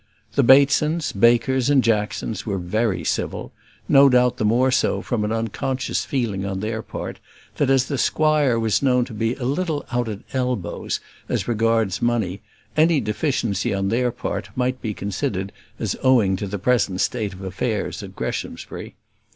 The Batesons, Bakers, and Jacksons were very civil; no doubt the more so from an unconscious feeling on their part, that as the squire was known to be a little out at elbows as regards money, any deficiency on their part might be considered as owing to the present state of affairs at Greshamsbury.